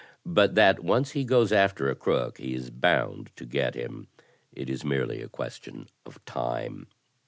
but that once he goes after a crook he is bound to get him — it is merely a question of time.